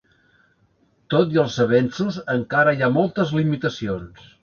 Tot i els avenços, encara hi ha moltes limitacions.